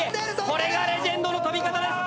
これがレジェンドの飛び方です。